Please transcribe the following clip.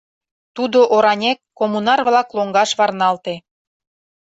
Тудо оранек коммунар-влак лоҥгаш варналте.